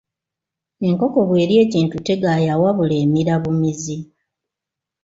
Enkoko bw'erya ekintu tegaaya wabula emira bumizi.